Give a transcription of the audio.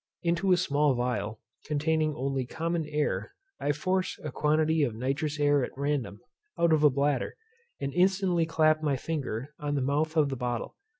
Into a small phial, containing only common air, I force a quantity of nitrous air at random, out of a bladder, and instantly clap my finger on the mouth of the bottle.